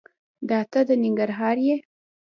دته د ننګرهار یې؟